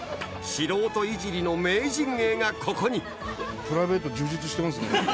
素人いじりの名人芸がここにプライベート充実してますね。